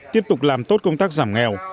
tiếp tục làm tốt công tác giảm nghèo